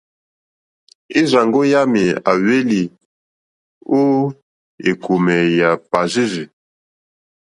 E rzàŋgo yami a hweli o ekome ya Parirzi.